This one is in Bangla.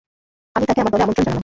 আমি তাকে আমার দলে আমন্ত্রণ জানালাম।